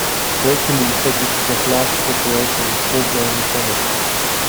Wakeley said this was "Blast Corporation" core game mechanic.